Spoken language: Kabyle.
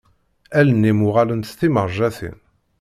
Allen-im uɣalent d timerjatin.